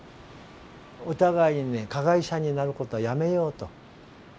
お互いに加害者になることはやめようと。